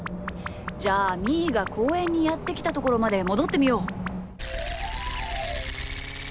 じゃあみーがこうえんにやってきたところまでもどってみよう。